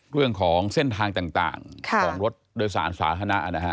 เรื่องของเส้นทางต่างของรถโดยสารสาธารณะนะฮะ